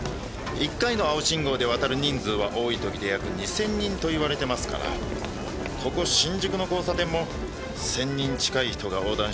１回の青信号で渡る人数は多い時で約２０００人といわれてますからここ新宿の交差点も１０００人近い人が横断していたはずです。